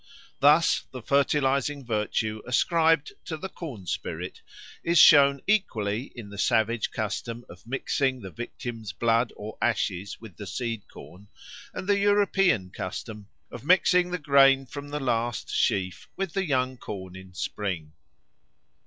Thus the fertilising virtue ascribed to the corn spirit is shown equally in the savage custom of mixing the victim's blood or ashes with the seed corn and the European custom of mixing the grain from the last sheaf with the young corn in spring.